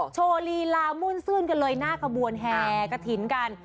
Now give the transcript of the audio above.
โชว์ลีลามุ่นซื่นกันเลยหน้าขบวนแห่กระถิ่นกัน